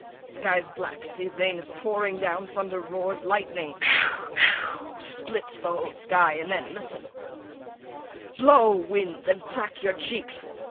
The sky is black, see? Rain is pouring down, thunder roars, lightning zzz zzz zzz splits the whole sky, and then, listen: "Blow winds, and crack your cheeks!